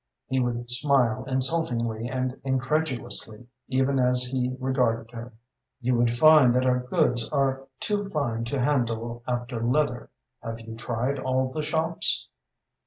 He would smile insultingly and incredulously, even as he regarded her. "You would find that our goods are too fine to handle after leather. Have you tried all the shops?"